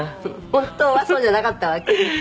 本当はそうじゃなかったわけね。